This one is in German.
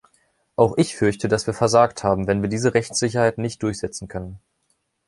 Auch ich fürchte, dass wir versagt haben, wenn wir diese Rechtssicherheit nicht durchsetzen können.